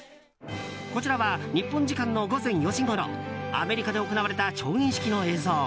こちらは日本時間の午前４時ごろアメリカで行われた調印式の映像。